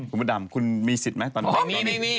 อุ่นมาดำคุณมีสิทธิ์ไหมตอนนี้ก่อนนี้ไม่มี